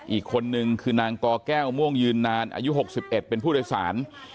อีกคนนึงคือนางกแก้วม่วงยืนนานอายุ๖๑เป็นผู้โดยสาร